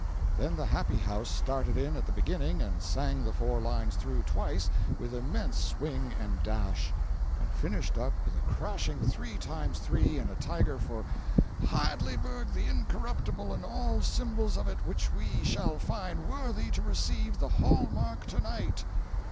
Then the happy house started in at the beginning and sang the four lines through twice, with immense swing and dash, and finished up with a crashing three times three and a tiger for "Hadleyburg the Incorruptible and all Symbols of it which we shall find worthy to receive the hall mark to night."